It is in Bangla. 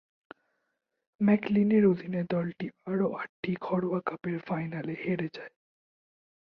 ম্যাকলিনের অধীনে দলটি আরও আটটি ঘরোয়া কাপের ফাইনালে হেরে যায়।